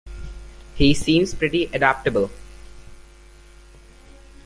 He seems pretty adaptable